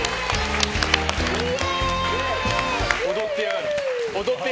踊ってやがる。